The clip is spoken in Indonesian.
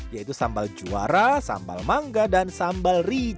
yaitu sambal juara sambal mangga dan sambal